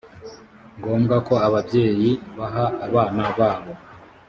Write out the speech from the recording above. ngombwa ko ababyeyi baha abana babo